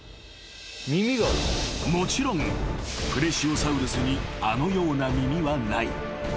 ［もちろんプレシオサウルスにあのような耳はない］